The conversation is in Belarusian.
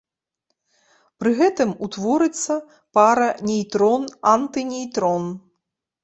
Пры гэтым утворыцца пара нейтрон-антынейтрон.